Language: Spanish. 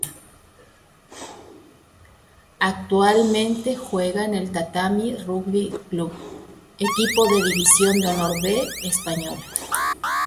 Actualmente juega en el Tatami Rugby Club, equipo de División de Honor B española.